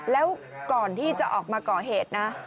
แล้วก่อนที่จะออกมาก่อเหตุนะ